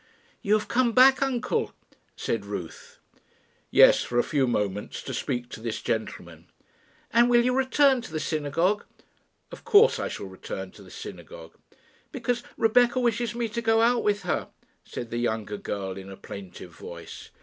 "You have come back, uncle," said Ruth. "Yes; for a few moments, to speak to this gentleman." "And will you return to the synagogue?" "Of course I shall return to the synagogue." "Because Rebecca wishes me to go out with her," said the younger girl, in a plaintive voice.